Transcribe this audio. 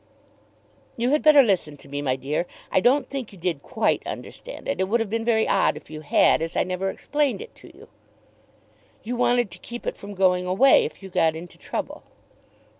"You had better listen to me, my dear. I don't think you did quite understand it. It would have been very odd if you had, as I never explained it to you." "You wanted to keep it from going away if you got into trouble."